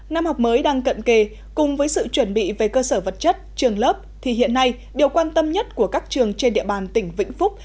năm học mới đang cận kề cùng với sự chuẩn bị về cơ sở vật chất trường lớp thì hiện nay điều quan tâm nhất của các trường trên địa bàn tỉnh vĩnh phúc